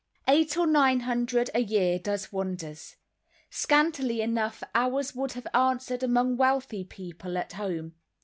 Eight or nine hundred a year does wonders. Scantily enough ours would have answered among wealthy people at home.